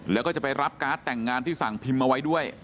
แล้วก็จะไปรับการ์ดแต่งงานที่สั่งพิมพ์เอาไว้ด้วย